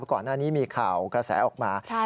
ก่อนหน้านี้มีข่าวกระแสออกมา